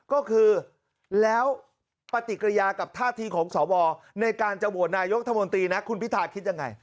ก็คือแล้วปฏิกิริยากับท่าทีของสวในการจะโหวตนายกรัฐมนตรีนะคุณพิทาคิดยังไง